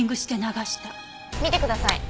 見てください。